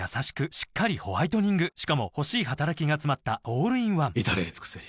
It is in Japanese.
しっかりホワイトニングしかも欲しい働きがつまったオールインワン至れり尽せり